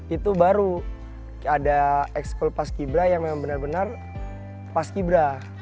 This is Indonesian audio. itu baru ada ekskul paskibra yang memang benar benar paskibra